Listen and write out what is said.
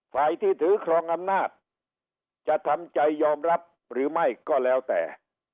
ฝ่ายที่ถือครองอำนาจจะทำใจยอมรับหรือไม่ก็แล้วแต่